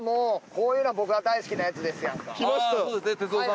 こういうの僕は大好きなやつですやんか。